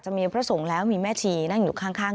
มีพระสงฆ์แล้วมีแม่ชีนั่งอยู่ข้าง